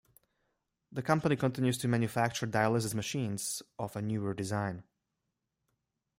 The company continues to manufacture dialysis machines of a newer design.